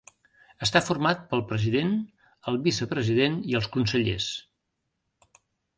Està format pel president, el vicepresident i els consellers.